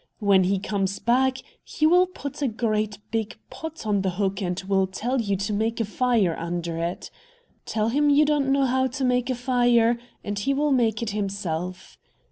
When he comes back, he will put a great big pot on the hook and will tell you to make a fire under it. Tell him you don't know how to make a fire, and he will make it himself.